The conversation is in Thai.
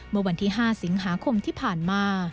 เมื่อวันที่๕สิงหาคมที่ผ่านมา